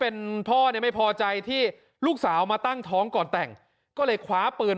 เป็นพ่อเนี่ยไม่พอใจที่ลูกสาวมาตั้งท้องก่อนแต่งก็เลยคว้าปืน